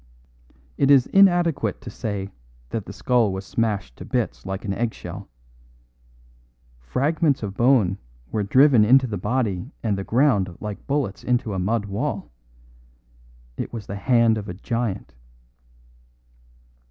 It is inadequate to say that the skull was smashed to bits like an eggshell. Fragments of bone were driven into the body and the ground like bullets into a mud wall. It was the hand of a giant."